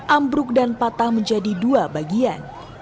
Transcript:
ambruk dan patah menjadi dua bagian